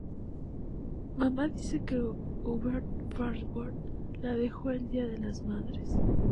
Mama dice que Hubert Farnsworth la dejó el día de las madres.